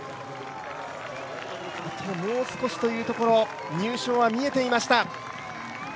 あともう少しというところ入賞は見えていました。